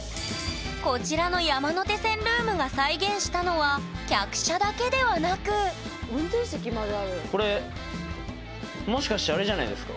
こちらの山手線ルームが再現したのはこれもしかしてあれじゃないですか？